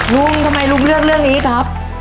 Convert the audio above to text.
ลุงทำไมลุงเลือกเรื่องนี้ครับ